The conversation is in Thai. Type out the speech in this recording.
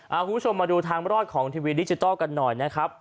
เอาคุณผู้ชมมาดูทางรอดของทีวีดิจิทัลกันหน่อยนะครับ